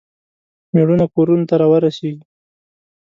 میړونه کورونو ته راورسیږي.